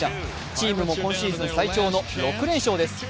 チームも今シーズン最長の６連勝です。